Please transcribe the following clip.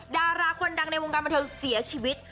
ดาราคนดังในวงการบันเทิงเสียชีวิต